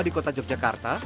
di kota yogyakarta